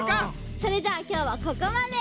それじゃあきょうはここまで！